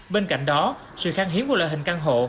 bên cạnh đó sự kháng hiếm của loại hình căn hộ